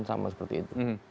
sama seperti itu